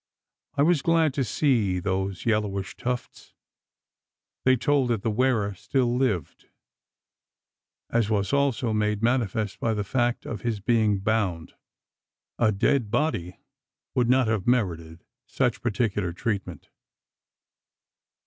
I was glad to see those yellowish tufts. They told that the wearer still lived as was also made manifest by the fact of his being bound. A dead body would not have merited such particular treatment.